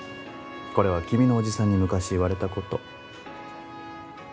これは君の叔父さんに昔言われたこと。